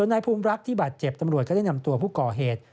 นายภูมิรักษ์ที่บาดเจ็บตำรวจก็ได้นำตัวผู้ก่อเหตุ